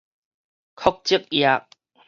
酷燭獵